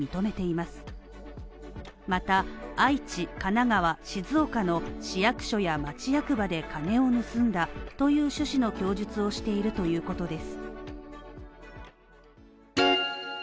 また、愛知、神奈川、静岡の市役所や町役場で金を盗んだという趣旨の供述をしているということです。